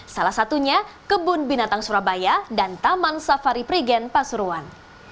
salah satunya kebun binatang surabaya dan taman safari prigen pasuruan